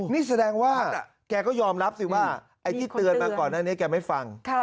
นี่แสดงว่าแกก็ยอมรับสิว่าไอ้ที่เตือนมาก่อนหน้านี้แกไม่ฟัง